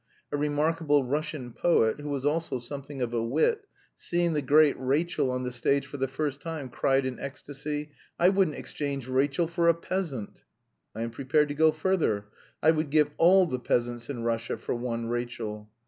A remarkable Russian poet who was also something of a wit, seeing the great Rachel on the stage for the first time cried in ecstasy, 'I wouldn't exchange Rachel for a peasant!' I am prepared to go further. I would give all the peasants in Russia for one Rachel.